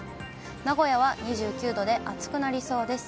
名古屋は２９度で暑くなりそうです。